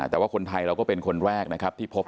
แต่ว่าคนไทยเราก็เป็นคนแรกนะครับที่พบ